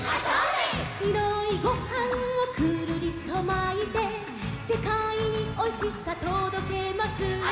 「しろいごはんをくるりとまいて」「せかいにおいしさとどけます」